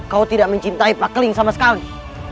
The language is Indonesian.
kau tidak mencintai pak keling sama sekali